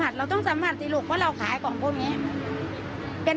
ถูกถูกอย่าว่าแต่ลูกค้าเลยป้าก็เครียดเหมือนกัน